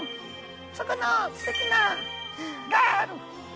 そこのステキなガール！